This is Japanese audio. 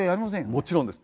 もちろんです。